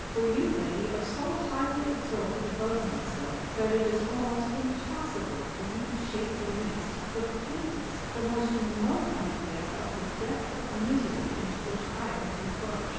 For you, lady, are so highly exalted above myself, that it is almost impossible for you to shape the least—the faintest—the most remote idea of the depth of misery into which I have been plunged.